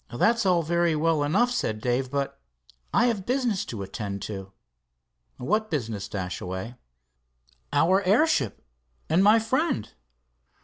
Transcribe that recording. "That's all very well enough," said Dave, "but I have business to attend to." "What business, Dashaway?" "Our airship and my friend."